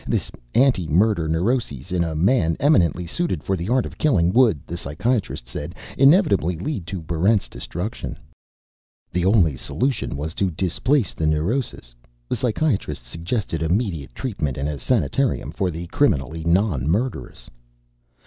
This antimurder neurosis in a man eminently suited for the art of killing would, the psychiatrist said, inevitably lead to Barrent's destruction. The only solution was to displace the neurosis. The psychiatrist suggested immediate treatment in a sanitarium for the criminally non murderous.